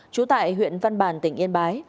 trú tại huyện văn bàn tỉnh yên bái